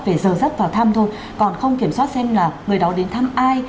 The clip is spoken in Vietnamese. về giờ dất vào thăm thôi còn không kiểm soát xem là người đó đến thăm ai